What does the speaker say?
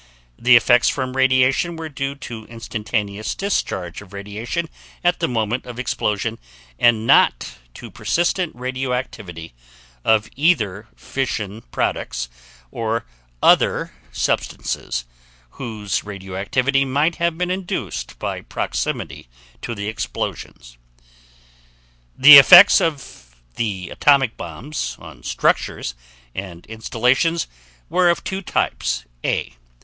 The effects from radiation were due to instantaneous discharge of radiation at the moment of explosion and not to persistent radioactivity (of either fission products or other substances whose radioactivity might have been induced by proximity to the explosions). The effects of the atomic bombs on structures and installations were of two types: A.